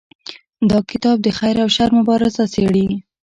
دا کتاب د خیر او شر مبارزه څیړي.